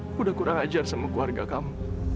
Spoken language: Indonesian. aku udah kurang ajar sama keluarga kamu